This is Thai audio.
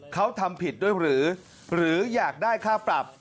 เขาทำผิดด้วยหรืออยากได้ค่าปรับ